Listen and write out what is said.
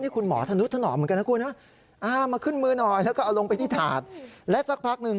นี่คุณหมอถนุทนอมเหมือนกันนะครับ